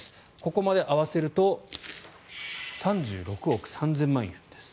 ここまで合わせると３６億３０００万円です。